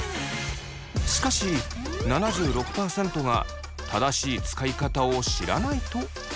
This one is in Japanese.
しかし７６％が「正しい使い方を知らない」と答えています。